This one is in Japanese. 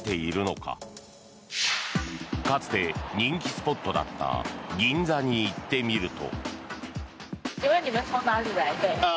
かつて人気スポットだった銀座に行ってみると。